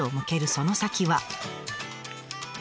その先は。